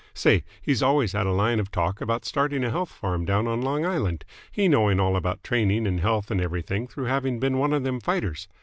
Say, he's always had a line of talk about starting a health farm down on Long Island, he knowing all about training and health and everything through having been one of them fighters.